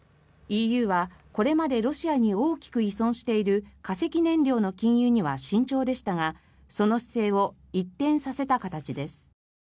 ＥＵは、これまでロシアに大きく依存している化石燃料の禁輸には慎重でしたがその姿勢を一転させた形です。